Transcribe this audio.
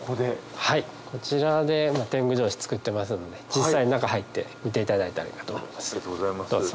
こちらで典具帖紙作ってますので実際に中入って見ていただいたらいいなと思いますどうぞ。